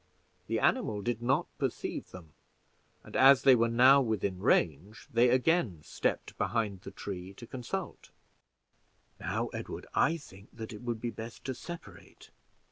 The animal did not perceive them, and as they were now within range, they again stepped behind the tree to consult. "Now, Edward, I think that it would be best to separate.